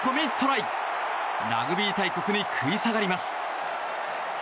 ラグビー大国に食い下がります。